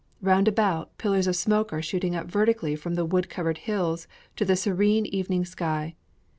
Round about, pillars of smoke are shooting up vertically from the wood covered hills to the serene evening sky.